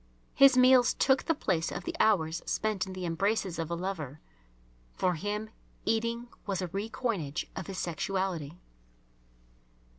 His meals took the place of the hours spent in the embraces of a lover. For him eating was a re coinage of his sexuality.